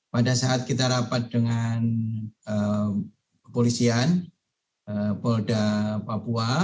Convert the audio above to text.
pada saat kita rapat dengan kepolisian polda papua